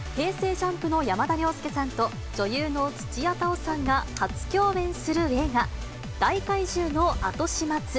ＪＵＭＰの山田涼介さんと女優の土屋太鳳さんが初共演する映画、大怪獣のあとしまつ。